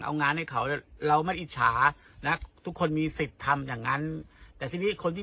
เอางานให้เขาเราไม่ได้อิจฉานะทุกคนมีสิทธิ์ทำอย่างนั้นแต่ทีนี้คนที่